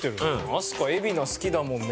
「飛鳥海老名好きだもんね」